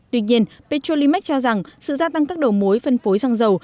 tuy nhiên petrolimax cho rằng sự gia tăng các đầu mối phân phối xăng dầu